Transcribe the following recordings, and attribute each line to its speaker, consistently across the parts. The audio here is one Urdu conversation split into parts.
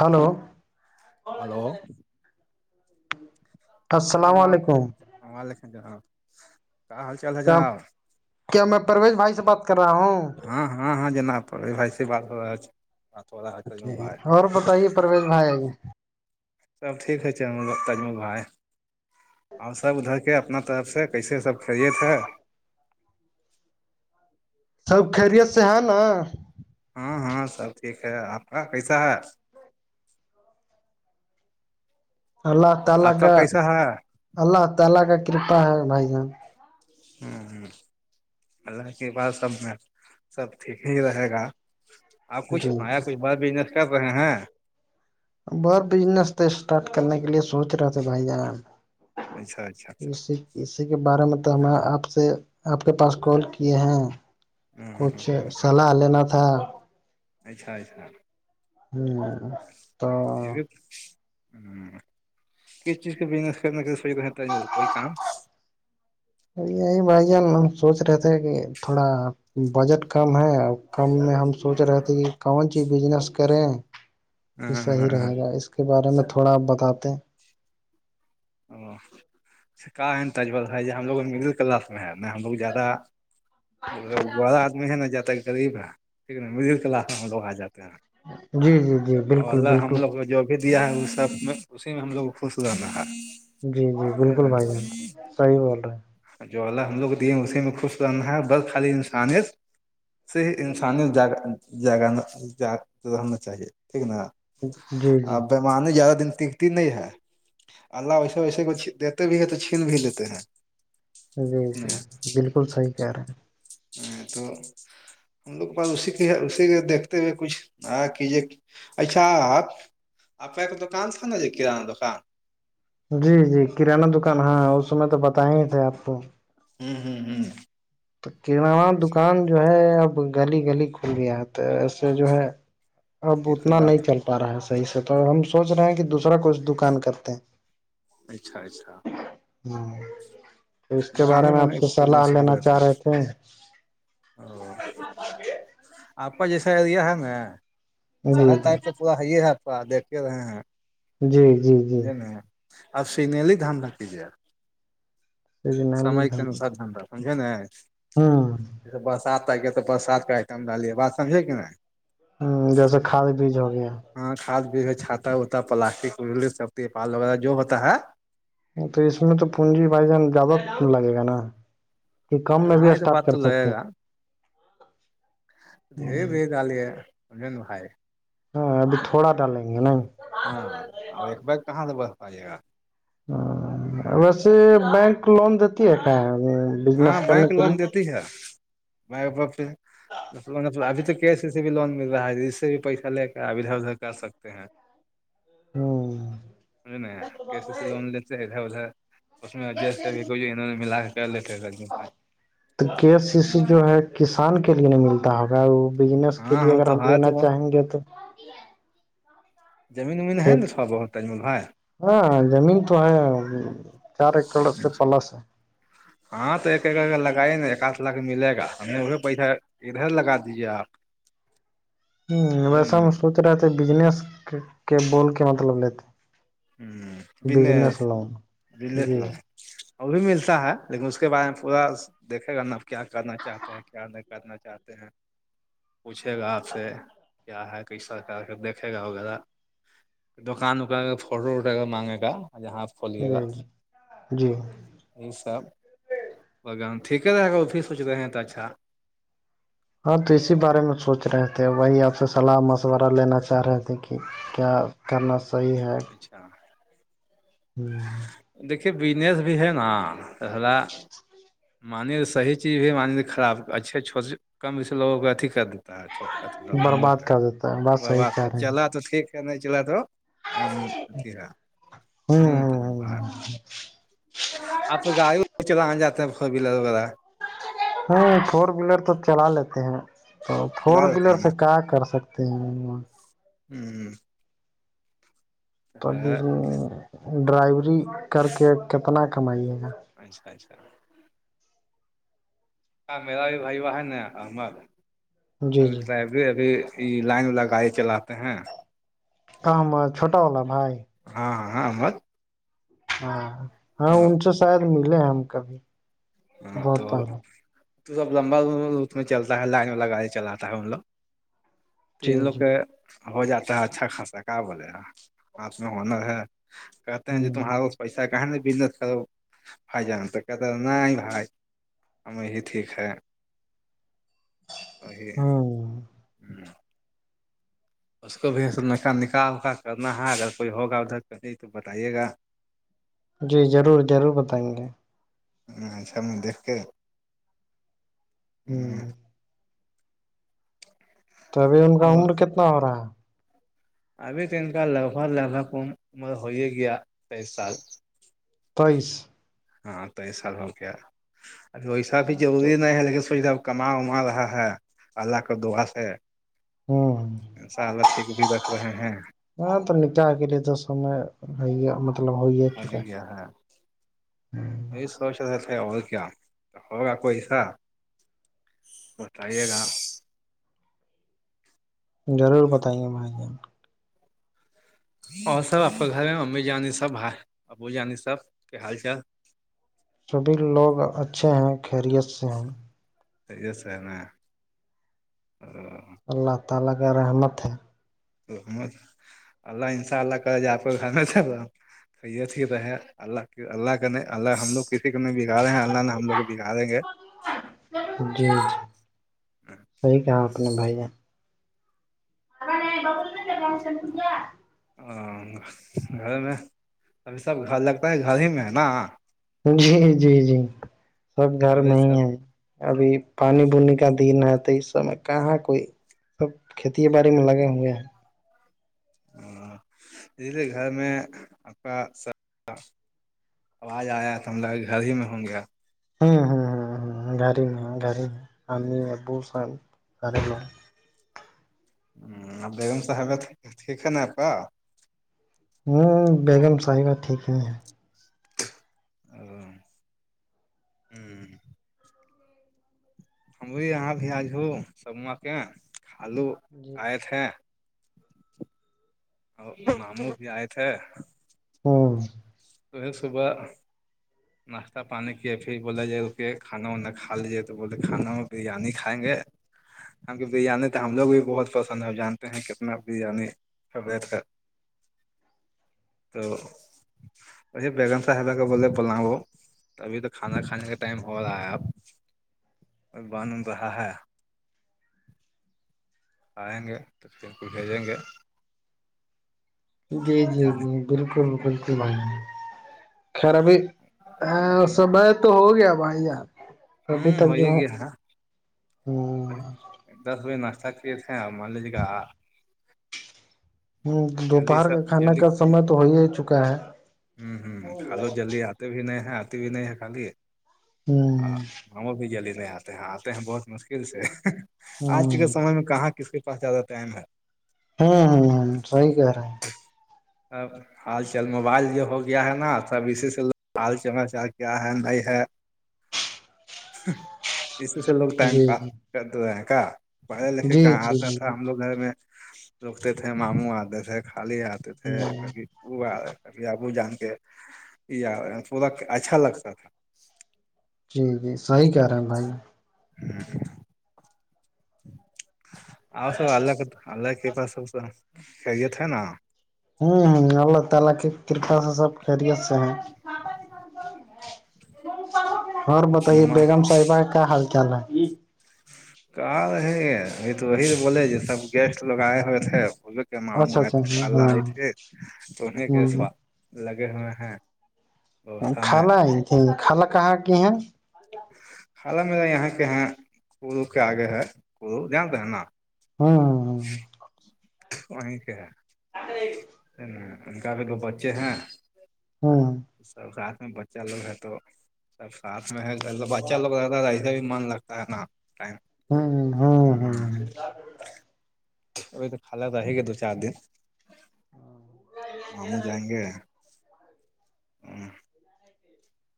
Speaker 1: ہلو
Speaker 2: ہلو ہاں
Speaker 1: السلام
Speaker 2: جناب
Speaker 1: علیکم
Speaker 2: السلام علیکم جناب کیا حال چال ہیں
Speaker 1: کیا
Speaker 2: جناب
Speaker 1: کیا میں پرویز بھائی سے بات کر رہا ہوں
Speaker 2: ہاں ہاں ہاں جناب پرویز بھائی سے بات ہو رہا آج
Speaker 1: جی اور بتائیے پرویز بھائی
Speaker 2: سب ٹیک ہے تجامل بھائی اور سب ادھر کے اپنا طرف سے کیسے ہیں سب خیریت ہیں
Speaker 1: سب خیریت سے ہے نا
Speaker 2: ہاں ہاں سب ٹھیک ہے آپ کا کیسا ہے
Speaker 1: اللہ تعالی
Speaker 2: آپ
Speaker 1: کا
Speaker 2: کیسا ہے
Speaker 1: اللہ تعالی کا کرپا ہے بھائی جان
Speaker 2: ہاں ہاں اللہ کے پاس سب میں سب ٹھیک ہی رہے گا آپ کچھ
Speaker 1: جی
Speaker 2: نیا
Speaker 1: جی
Speaker 2: کچھ بڑھا بزنس کر رہے ہیں
Speaker 1: بس بزنس تو اسٹارٹ کرنے کے لیے سوچ رہے تھے بھائی جان
Speaker 2: اچھا اچھا اچھا
Speaker 1: [inaudible] اسی کے بارے میں تو ہمیں آپ سے آپ کے پاس کال کیے ہیں
Speaker 2: ہ
Speaker 1: کچھ
Speaker 2: ہ ہ
Speaker 1: صلاح لینا تھا
Speaker 2: اچھا اچھا
Speaker 1: تو
Speaker 2: کس چیز کا بزنس کرنے کا سوچا ہے تجمل کوئی کام
Speaker 1: یہی بھائی جان ہم سوچ رہے تھے کہ تھوڑا بجٹ کم ہے اور کم میں ہم سوچ رہے تھے کہ کون سی بزنس کریں کہ صحیح رہے
Speaker 2: او
Speaker 1: گا اس کا کے بارے میں تھوڑا آپ بتاتے
Speaker 2: اچھا کیا ہے تجامل بھائی جان ہم لوگ مڈل کلاس میں ہے نہیں ہم لوگ زیادہ بڑا آدمی ہے نا جاتا ہے غریب ہے مڈل کلاس میں ہم لوگ آ جاتے ہیں
Speaker 1: جی جی جی بالکل
Speaker 2: اللہ ہم
Speaker 1: بالکل
Speaker 2: لوگ کا جو بھی دیا ہے وہ سب میں اسی میں ہم لوگ کو خوش رہنا ہے
Speaker 1: جی جی
Speaker 2: سمجھے
Speaker 1: بالکل بھائی جان صحیح بول رہے ہیں
Speaker 2: جولہ ہم لوگ دیے اسی میں خوش رہنا ہے بس خالی انسانیت شیہ انسانیت جگانا چاہیے ٹھیک ہے نا
Speaker 1: جی جی
Speaker 2: وہاں نہیں زیادہ دن تکتی نہیں ہے اللہ ویسے کچھ دیتے بھی ہے تو چھین بھی لیتے ہیں
Speaker 1: جی جی بالکل صحیح کہہ رہے ہیں
Speaker 2: تو ہم لوگ کے پاس اسی کی اسی کے دیکھتے ہوئے کچھ آ کیجے اچھا آپ آپ کا دکان تھا نا یہ کررانا دکان
Speaker 1: جی جی کریانہ دکان ہاں اس سمے تو بتائے ہی تھے آپ کو
Speaker 2: ہوں ہوں
Speaker 1: تو کریانہ دکان جو ہے اب گلی گلی کھل گیا ہے تو ایسے جو ہے اب
Speaker 2: یہ تو
Speaker 1: اتنا نہیں
Speaker 2: بات
Speaker 1: چل پا رہا ہے صحیح سے تو ہم سوچ رہے ہیں کہ دوسرا کچھ دکان کرتے ہیں
Speaker 2: اچھا اچھا
Speaker 1: ہوں چاہ رہے تھے
Speaker 2: [inaudible] او آپا جیسایدیا ہگ چہر
Speaker 1: جی
Speaker 2: تاریخ تو پورا ہے ہے آپ کا دیکھے رہے ہیں
Speaker 1: جی جی جی
Speaker 2: سمجھے آپ سی ن ہی دان رکھ کیجیےا سمعک
Speaker 1: جی
Speaker 2: انسادھن رہا سمجھیں نا
Speaker 1: ہوں
Speaker 2: جیسے برسات آگیا تو برسات کا آئٹم ڈلیے بات سمجھے کہ نہیں
Speaker 1: جیسے کھاد بیج ہو گیا
Speaker 2: ہاں کھاد بیج چھاتا وتا پلاسٹک سب تیپال وغیرہ جو ہوتا ہے
Speaker 1: تو اس میں تو پوننجی بھائی جان زیادہ لگے گا نا کہ کم میں بھی
Speaker 2: ہاں یہ تو بات
Speaker 1: اسٹارٹ کر
Speaker 2: تو لگے
Speaker 1: سکتے ہیں
Speaker 2: گا دھیرے دھیرے ڈالیے [inaudible]
Speaker 1: ہاں ابھی تھوڑا ڈالیں گے نہیں
Speaker 2: ہاں اب ایک بار کہاں سے ہوجائے گا
Speaker 1: ہاں ویسے بینک لون دیتی ہے شاید
Speaker 2: ہاں بینک لون دیتی ہے ابھی تو کے سی سی بھی لون مل رہا ہے جس سے بھی پیسہ لے کر ادھر ادھر کر سکتے ہیں
Speaker 1: ہ [inaudible]
Speaker 2: مجھے نہیں کی س سی لون لتے ہے اد ادا اس میں ایڈجسٹمنٹ کر انہوں نے ملا کے کر لیتے
Speaker 1: تو کے سی سی جو ہے کسان کے لیے نہیں ملتا ہوگا وہ بزنس کے
Speaker 2: ہاں
Speaker 1: لیے
Speaker 2: ہاں
Speaker 1: اگر ہم
Speaker 2: تو ہاں
Speaker 1: لینا
Speaker 2: تو
Speaker 1: چاہیں گے تو
Speaker 2: زمین ومین ہے نا تھوڑا بہت تجامل بھائی
Speaker 1: ہاں زمین تو ہے چار ایکڑ سے پلس ہے
Speaker 2: ہاں تو ایک ایکڈ کا لگائی نا ایک لاکھ ملے گا ہم نے پیسہ ادھر لگا دیجے آپ
Speaker 1: ج [unintelligible]
Speaker 2: سمجھے
Speaker 1: ویسا
Speaker 2: نا
Speaker 1: ہم سوچ رہے تھے بجنس کے بول کے مطلب لیتے
Speaker 2: ہوں بزنس
Speaker 1: بجنس لون
Speaker 2: بزنس
Speaker 1: جی
Speaker 2: لون وہ بھی ملتا ہے لیکن اس کے بارے میں پورا دیکھے گا نا اب کیا کرنا چاہتے ہیں کیا نہیں کرنا چاہتے ہیں پوچھے گا آپ سے کیا ہے کہ سرکار کے دیکھے گا وغیرہ دکان وکان کا فوٹو وٹو مانگے گا جہاں آپ کھولیے
Speaker 1: جی
Speaker 2: گا
Speaker 1: جی جی
Speaker 2: یہ سب بگان ٹھیک رہے گا آپ سوچ رہے ہیں تو اچھا
Speaker 1: ہاں تو اسی بارے میں سوچ رہے تھے وہی آپ سے صلاح مشورہ لینا چاہ رہے تھے کہ کیا کرنا صحیح ہے
Speaker 2: اچھا
Speaker 1: ہوں
Speaker 2: دیکھیے بزنس بھی ہے نا پہلا مان لیجیے صحیح چیز بھی مان لے خراب اچھے اچھو کم سے لوگ کو اھی کر لوگ ہم لوگ
Speaker 1: برباد کر دیتا ہے بات صحیح کہہ رہے ہیں
Speaker 2: چل تو ٹھیک ہے نہیں چل تو مھیا ہ [unintelligible] اپ لوگ گاڑیاں چلانے جا رہے ہیں سبھی لوگ وغیرہ
Speaker 1: ہاں فور ویلر تو چلا لیتے ہیں تو فور
Speaker 2: چلا لیتے
Speaker 1: ویلر
Speaker 2: ہیں
Speaker 1: سے کیا کر سکتے ہیں
Speaker 2: ہوں
Speaker 1: تو ابھی جی ڈرائیوری کر کے کتنا کمائیے گا
Speaker 2: اچھا اچھا ہاں میرا بھی بھائی وہاں ہے نا ہمار
Speaker 1: جی جی
Speaker 2: ابھی یہ لائن لگائی چلاتے ہیں
Speaker 1: کام چھوٹا والا بھائی
Speaker 2: ہاں ہاں
Speaker 1: ہاں ہاں ان سے شاید ملے ہم کبھی
Speaker 2: ہاں تو
Speaker 1: بہت پہلے
Speaker 2: تو سب لمبا میں چلتا ہے لائن والا گاڑی چلاتا ہے ان لوگ تین
Speaker 1: جی
Speaker 2: لوگ
Speaker 1: جی
Speaker 2: کا ہو جاتا ہے اچھا خاصا کیا بولے گا ہاتھ میں ہنر ہے کہتے ہیں جو
Speaker 1: ہ
Speaker 2: تمہار پیسا کہ ب کر فائ جا تو ہم یہی ٹھیک ہے وہ
Speaker 1: ہ
Speaker 2: ہوں اس کو بھی نکاح وکا کرنا ہے اگر کوئی ہوگا ادھر کا نہیں تو بتائیے گا
Speaker 1: جی ضرور ضرور بتائیں گے
Speaker 2: اچھا میں دیکھ کے
Speaker 1: ہوں تو ابھی ان کا
Speaker 2: اب
Speaker 1: عمر کتنا ہو رہا ہے
Speaker 2: ابھی تو ان کا لگ بھگ لگ بھگ عمر ہو گیا تیئس سال
Speaker 1: تیئس
Speaker 2: ہاں تیس سال ہو گیا ویسا بھی
Speaker 1: تو
Speaker 2: ضروری نہیں ہے لیکن سویدہ کما وما رہا ہے اللہ کے دعا سے
Speaker 1: ہ
Speaker 2: انشاءاللہ ٹھیک بھی رکھ رہے ہیں
Speaker 1: ہاں تو نکاح کے لیے تو سمے مطلب ہو ہی
Speaker 2: اور
Speaker 1: چکا ہے
Speaker 2: کیا
Speaker 1: ہوں
Speaker 2: یہی سوچ رہے تھے اور کیا ہوگا کوئی سا بتائیے گا
Speaker 1: ضرور بتائیں گے بھائی جان
Speaker 2: اور سب آپ گھر میں امی جان سب ابو جان سب کے حال چال
Speaker 1: سبھی لوگ اچھے ہیں خیریت سے ہیں
Speaker 2: اس سمے تو
Speaker 1: اللہ تعالی کا رحمت ہے
Speaker 2: تو اللہ انشاء اللہ کرے آپی رہے اللہ اللہ کے نہیں اللہ ہم لوگ کسی کو نہیں بگاڑی رہے ہیں اللہ نے ہم لوگ بگاڑیں گے
Speaker 1: جی جی صحیح کہا آپ نے بھائی جان ارا نہیں بول ل ب سل ت کیا
Speaker 2: گھر میں ابھی سب گھر لگتا ہے گھر ہی میں ہے نا
Speaker 1: جی جی جی سب گھر
Speaker 2: ابھی
Speaker 1: میں ہی
Speaker 2: سب
Speaker 1: ہے ابھی پانی بونی کا دن ہے تو اس سمے کہاں کوئی سب کھیت باڈی میں لگے ہوئے ہیں
Speaker 2: اسی لیے گھر میں آپ کا آواز آیا تو ہم لگ گھر ہی میں ہوں گے آپ
Speaker 1: ہاں ہاں ہاں گھر ہی میں گھر ہی میں امی ابو سب گھر ہی میں
Speaker 2: بیگم صاحبہ ٹھیک ہے نا اپ کا
Speaker 1: ہوں بیگم صاحبہ ٹھیک ہی ہے
Speaker 2: ہوں ہم بھی یہاں بھی آج وہ سموا کے خالوں
Speaker 1: جی
Speaker 2: آئے تھے اور مامو بھی آئے تھے
Speaker 1: ہاں
Speaker 2: تو صبح
Speaker 1: ہ [inaudible]
Speaker 2: ناشتہ پانی کیے پھر بولا جو ہے کہ کھانا وانا کھا لیجیے تو بولے کھانا بریانی کھائیں گے ہم کی بریانی تو ہم لوگ بھی بہت پسند ہے جانتے ہیں کتنا بریانی
Speaker 1: [inaudible]
Speaker 2: تو بیگم صاحبہ کو بولی بلاؤ ابھی تو کھانا کھانے کا ٹائم ہو رہا ہے اب بن رہا ہے آئیں گے تو پھر ان کو بھیجیں گے
Speaker 1: جی جی
Speaker 2: جانے
Speaker 1: جی بالکل بالکل خیر ابھی سمے تو ہو گیا بھائی جان
Speaker 2: ہوں ہو ہی گیا دس بجے ناشتہ کیے تھے ہم اور مان لیجیے گا جلدی
Speaker 1: دوپہر کا
Speaker 2: سب
Speaker 1: کھانا کا سمے تو ہو ہی ہی چکا ہے
Speaker 2: ہوں ہوں خالو جلدی آتے بھی نہیں ہے آتے بھی نہیں ہے خالی
Speaker 1: ہاں
Speaker 2: ہاں ماموں بھی جلدی نہیں آتے ہیں آتے ہیں بہت مشکل سے آج
Speaker 1: ہوں
Speaker 2: کے سمے میں کہاں کس کے پاس زیادہ ٹائم ہے
Speaker 1: ہاں ہاں صحیح کہہ رہے ہیں
Speaker 2: آ [inaudible] ہال چال موبائل جو ہو گیا ہے نا سب اسی سے پوچھتے ہیں کیا ہے نہیں ہے
Speaker 1: [inaudible]
Speaker 2: اسی سے لوگ ٹائم پاس
Speaker 1: جی
Speaker 2: کرتے ہیں کیا پڑھے لکھے
Speaker 1: جی
Speaker 2: کہاں
Speaker 1: جی
Speaker 2: آتا
Speaker 1: جی
Speaker 2: تھا ہم لوگ گھر میں رکتے تھے ماموں آتے تھے خالی آتے تھے
Speaker 1: جی
Speaker 2: کبھی وہ آ رہا آبو جان کے یہ پورا اچھا لگتا تھا
Speaker 1: جی جی صحیح کہہ رہے ہیں بھائی
Speaker 2: [inaudible] آپ سب اللہ کے فضل سے خیریت ہے نا
Speaker 1: ہاں ہاں اللہ تعالی کے کرپا سے سب خیریت سے ہیں اور بتائیے
Speaker 2: نماز
Speaker 1: بیگم صاحبہ کا کیا حال چال ہے
Speaker 2: کہاں ہے یہ تو وہی بولے سب گیسٹ لوگ آئے ہوئے تھے کے ماموں
Speaker 1: اچھا
Speaker 2: آئے
Speaker 1: اچھا
Speaker 2: تھے خالا
Speaker 1: ہاں
Speaker 2: آئے تھے تو انہیں کے
Speaker 1: ہ
Speaker 2: سواد لگے ہوئے ہیں بوسا میں
Speaker 1: خالہ آئی تھی خالہ کہاں کی ہیں
Speaker 2: حالہ میرا یہاں کے ہے کڑو کے آگے ہے کو دانتے ہے نا
Speaker 1: ہاں ہاں
Speaker 2: وہی کے ہے
Speaker 1: آھرے
Speaker 2: ان کا بھی دو بچے ہیں
Speaker 1: ہاں
Speaker 2: سب ساتھ میں بچہ لوگ ہے تو سب ساتھ میں ہے بچہ لوگ رہتا ہے ایسے بھی من لگتا ہے نا ٹائم
Speaker 1: ہوں ہوں
Speaker 2: ابھی تو خالا رہے گی دو چار دن ماموں جائیں گے
Speaker 1: [inaudible]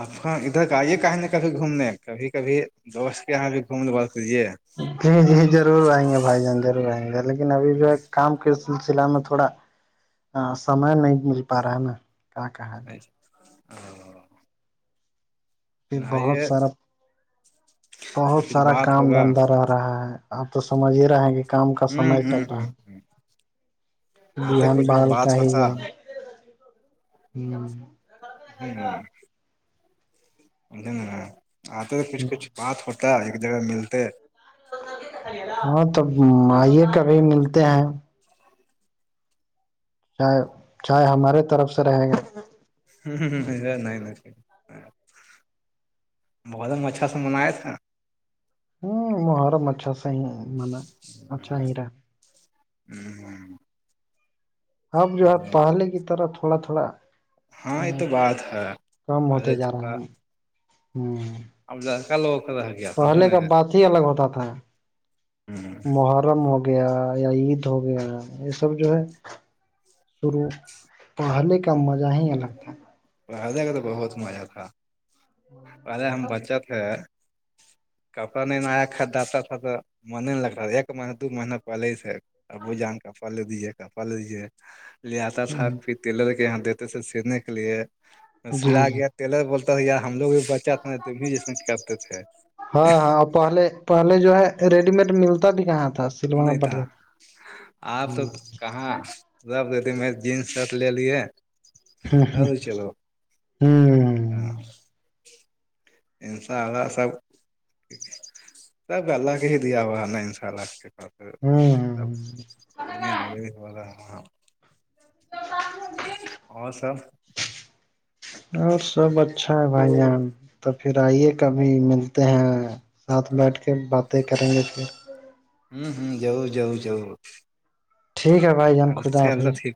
Speaker 2: آپ کا ادھر آئیے کہیں نا کبھی گھومنے کبھی کبھی دوست کہاں بھی گومنے بات کریے
Speaker 1: جی جی ضرور آئیں گے بھائی جان ضرور آئیں گے لیکن ابھی جو ہے کام کے سلسلہ میں تھوڑا سمے نہیں مل پا رہا ہے نا کیا کہا جائے بہت
Speaker 2: آئیے
Speaker 1: سارا
Speaker 2: کچھ
Speaker 1: بہت
Speaker 2: کچھ
Speaker 1: سارا
Speaker 2: بات
Speaker 1: کام
Speaker 2: ہوگا
Speaker 1: دھندا رہا رہا ہے اپ تو سمجھ ہی رہا ہے کہ کام کا سمے
Speaker 2: ہوں
Speaker 1: چل
Speaker 2: ہوں
Speaker 1: رہا
Speaker 2: ہ
Speaker 1: ہے
Speaker 2: ہ آتے
Speaker 1: بہان
Speaker 2: کچھ کچھ
Speaker 1: بل
Speaker 2: بات
Speaker 1: کااہ
Speaker 2: ہوتا
Speaker 1: جائ ہ
Speaker 2: [unintelligible] آتے تو کچھ کچھ بات ہوتا ہے ایک جگہ ملتے
Speaker 1: ہاں تو ائیے کبھی ملتے ہیں چائے ہمارے طرف سے رہیں گے
Speaker 2: نہیں نہیں اچھا سے منایا تھا
Speaker 1: محرم اچھا سے منا اچھا ہی رہا
Speaker 2: ہوں
Speaker 1: اب جو ہے پہلے کی طرح تھوڑا تھوڑا
Speaker 2: ہاں یہ تو بات ہے
Speaker 1: کم
Speaker 2: پہلے
Speaker 1: ہوتے جا رہا ہم ہوں
Speaker 2: اب ج کلو کر ح گ کیا فنش
Speaker 1: پہلے کا
Speaker 2: ن
Speaker 1: بات ہی الگ ہوتا تھا محرم ہو گیا یا عید ہو گیا یہ سب جو ہے شروع پڑھنے کا مزہ ہی الگ تھا
Speaker 2: پہلے کا تو بہت مزہ تھا پہلے ہم بچہ تھے
Speaker 1: [inaudible]
Speaker 2: کپڑا نہیں نیا خریدتا تھا تو من ہی نہیں لگتا تھا ایک مہیین دو مہینہ پہلے ہی سے ابو جان کپڑے لے دیجیے کپڑا لے دیجیے لے آتا تھا تٹیلر کے یہاں دیتے تھے سینے کے لیے
Speaker 1: جی
Speaker 2: سلا
Speaker 1: جی
Speaker 2: گیا ٹیلر بولتا تھا یار ہم لوگ بھی بچہ تھا نا بھی جسم کرتے تھے
Speaker 1: ہاں ہاں اور پہلے پہلے جو ہے ریڈی میڈ ملتا بھی کہاں تھا سلوانا
Speaker 2: نہیں تھا
Speaker 1: پڑتا
Speaker 2: آپ تو
Speaker 1: تھا
Speaker 2: کہاں سب ریڈی میڈ جینز شرٹ لے لیے
Speaker 1: ہاں ہاں
Speaker 2: ارے چلو
Speaker 1: ہوں
Speaker 2: [inaudible] انشاءاللہ سب سب اللہ کے ہی دیا ہوا ہے نا انشاء اللہ آپ کے پاس
Speaker 1: ہاں
Speaker 2: سب دن آگے بھی ہو رہا اور سب
Speaker 1: [inaudible] اور سب اچھا ہے بھائی جان تو پھر آئیے کبھی ملتے ہیں ساتھ بیٹھ کے باتیں کریں گے پھر [inaudible]
Speaker 2: ہوں ہوں ضرور ضرور
Speaker 1: ٹھیک ہے بھائی جان
Speaker 2: اللہ
Speaker 1: خدا
Speaker 2: سے اللہ
Speaker 1: حافظ
Speaker 2: ٹھیک